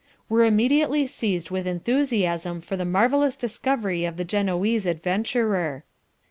"...were immediately seized with enthusiasm for the marvellous discovery of the Genoese adventurer."